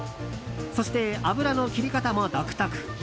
そして、油の切り方も独特。